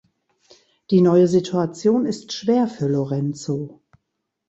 Die neue Situation ist schwer für Lorenzo.